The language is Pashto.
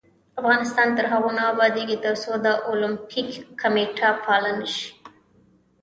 افغانستان تر هغو نه ابادیږي، ترڅو د اولمپیک کمیټه فعاله نشي.